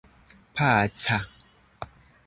paca